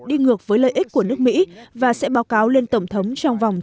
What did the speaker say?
đi ngược với lợi ích của nước mỹ và sẽ báo cáo lên tổng thống trong vòng chín mươi ngày